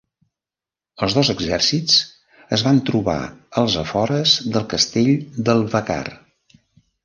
Els dos exèrcits es van trobar als afores del castell d'El Vacar.